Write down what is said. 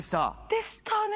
でしたね。